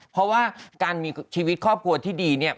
เพราะว่าการมีชีวิตครอบครัวที่ดีเนี่ย